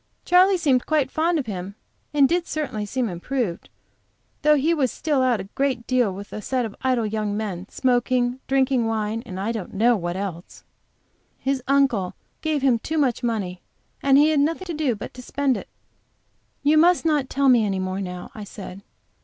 Charley seemed quite fond of him, and did certainly seem improved, though he was still out a great deal with a set of idle young men, smoking, drinking wine, and, I don't know what else. His uncle gave him too much money, and he had nothing to do but to spend it." "You must not tell me any more now," I said.